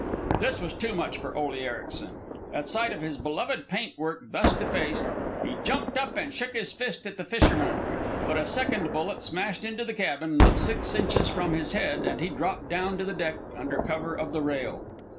This was too much for Ole Ericsen. At sight of his beloved paintwork thus defaced, he jumped up and shook his fist at the fishermen; but a second bullet smashed into the cabin not six inches from his head, and he dropped down to the deck under cover of the rail.